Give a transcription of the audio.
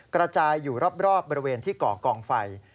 กระจายอยู่รอบบริเวณที่ก่อกองไฟ